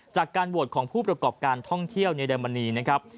จากการโหวตของผู้ประกอบการท่องเที่ยวในเรมนีนะครับ